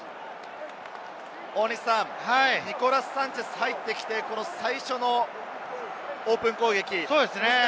ニコラス・サンチェスが入ってきて最初のオープン攻撃。